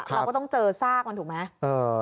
เราก็ต้องเจอซากมันถูกไหม